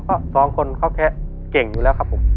เพราะสองคนเขาแค่เก่งอยู่แล้วครับผม